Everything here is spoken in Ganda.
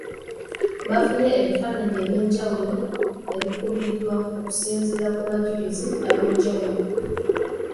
Bafunye ebifaananyi ebyenjawulo ebikubiddwa okusinziira ku bajulizi ab’enjawulo.